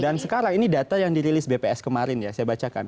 dan sekarang ini data yang dirilis bps kemarin ya saya bacakan